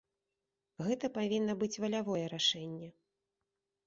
Гэта павінна быць валявое рашэнне.